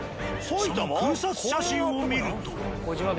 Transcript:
その空撮写真を見ると。